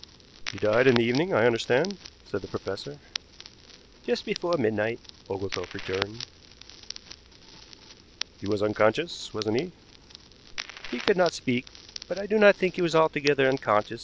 "He died in the evening, I understand," said the professor. "Just before midnight," Oglethorpe returned. "He was unconscious, wasn't he?" "He could not speak, but I do not think he was altogether unconscious.